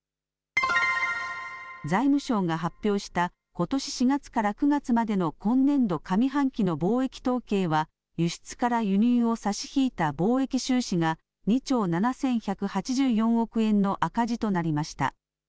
財務省が発表したことし４月から９月までの今年度上半期の貿易統計は輸出から輸入を差し引いた貿易収支が２兆７１８４億円の赤字となりました。